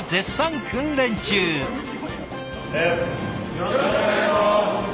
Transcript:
よろしくお願いします！